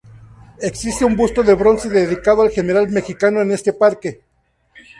Existe un busto de bronce dedicado al general mexicano en este parque.